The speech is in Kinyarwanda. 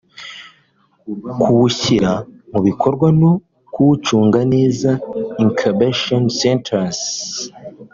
kuwushyira mu bikorwa no kuwucunga neza (incubation centers)